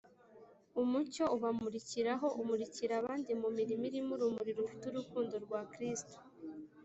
. Umucyo ubamurikaho umurikira abandi mu mirimo irimo urumuri rufite urukundo rwa Kristo.